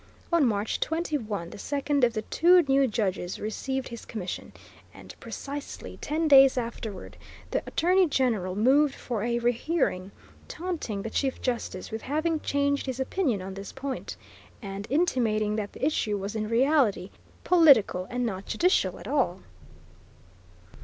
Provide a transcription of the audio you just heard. On March 21, the second of the two new judges received his commission, and precisely ten days afterward the Attorney General moved for a rehearing, taunting the Chief Justice with having changed his opinion on this point, and intimating that the issue was in reality political, and not judicial at all.